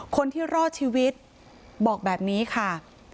คนที่รอดชีวิตบอกแบบนี้ค่ะ